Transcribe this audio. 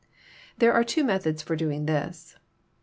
There are two methods for doing this.